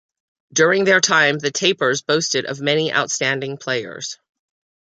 During their time, the Tapers boasted of many outstanding players.